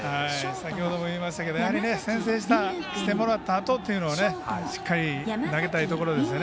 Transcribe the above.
先ほども言いましたけど先制してもらったあとというのはしっかり投げたいところですよね。